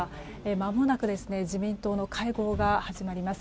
まもなく自民党の会合が始まります。